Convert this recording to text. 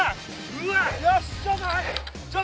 うわっ！